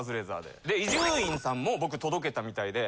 で伊集院さんも僕届けたみたいで。